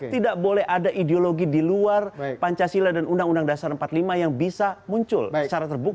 tidak boleh ada ideologi di luar pancasila dan undang undang dasar empat puluh lima yang bisa muncul secara terbuka